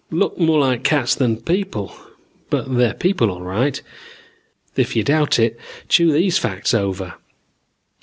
Look more like cats than people, but they're people all right. If you doubt it, chew these facts over.